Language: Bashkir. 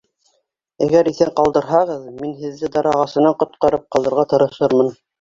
Әгәр иҫән ҡалдырһағыҙ, мин һеҙҙе дар ағасынан ҡотҡарып ҡалырға тырышырмын.